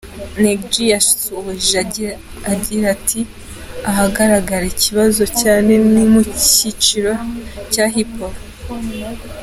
Neg G yasoje agita ati: “Ahagaragara ikibazo cyane ni mu cyiciro cya hip hop.